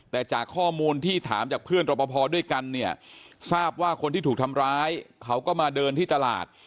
แต่จากข้อมูลที่ถามจากเพื่อนรอปภด้วยกันเนี่ยทราบว่าคนที่ถูกทำร้ายเขาก็มาเดินที่ตลาด